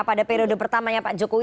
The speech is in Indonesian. pada periode pertama ya pak jokowi